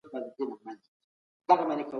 هيرولډ ويلم سن پرمختيا يوه پروسه وبلله.